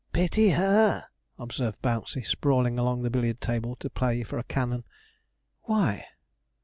'Pity her,' observed Bouncey, sprawling along the billiard table to play for a cannon. 'Why?'